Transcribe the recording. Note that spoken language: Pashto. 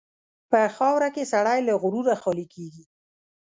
په خاوره کې سړی له غروره خالي کېږي.